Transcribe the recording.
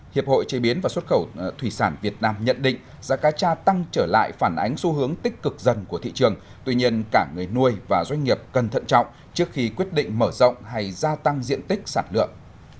hiệp hội chế biến và xuất khẩu thủy sản việt nam nhận định giá cá cha tăng trở lại phản ánh xu hướng tích cực dần của thị trường tuy nhiên cả người nuôi và doanh nghiệp cần thận trọng trước khi quyết định mở rộng hay gia tăng diện tích sản lượng